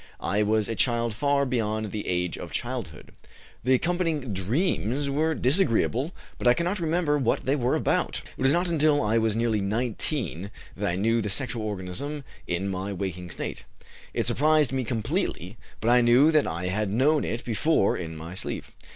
I was a child far beyond the age of childhood. The accompanying dreams were disagreeable, but I cannot remember what they were about. It was not until I was nearly 19 that I knew the sexual orgasm in my waking state. It surprised me completely, but I knew that I had known it before in my sleep.